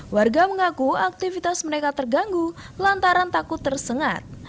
warga mengaku aktivitas mereka terganggu lantaran takut tersengat